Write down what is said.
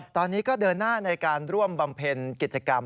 ตอนนี้ก็เดินหน้าในการร่วมบำเพ็ญกิจกรรม